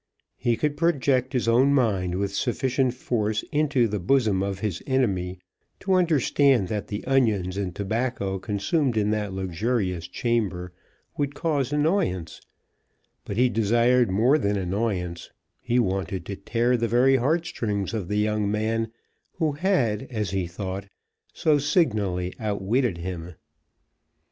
He could project his own mind with sufficient force into the bosom of his enemy to understand that the onions and tobacco consumed in that luxurious chamber would cause annoyance; but he desired more than annoyance; he wanted to tear the very heart strings of the young man who had, as he thought, so signally outwitted him.